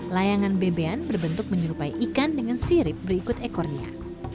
layangan bebean berbentuk menyerupai ikan dengan sirip berikut ekornya